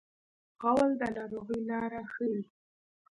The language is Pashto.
غول د ناروغۍ لاره ښيي.